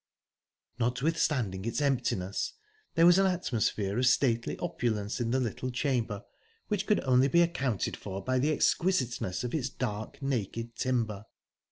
Notwithstanding its emptiness, there was an atmosphere of stately opulence in the little chamber, which could only be accounted for by the exquisiteness of its dark, naked timber.